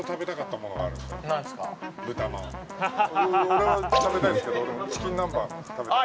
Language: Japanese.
俺は食べたいんですけどでもチキン南蛮食べたい。